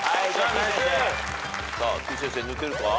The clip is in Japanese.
てぃ先生抜けるか？